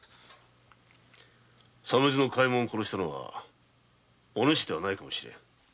嘉右衛門を殺したのはお主ではないかもしれぬ。